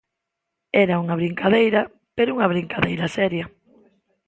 Era unha brincadeira, pero unha brincadeira seria.